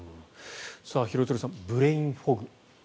廣津留さん、ブレインフォグ。